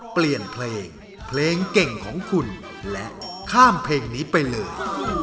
เปลี่ยนเพลงเพลงเก่งของคุณและข้ามเพลงนี้ไปเลย